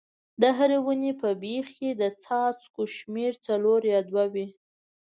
د هرې ونې په بیخ کې د څاڅکو شمېر څلور یا دوه وي.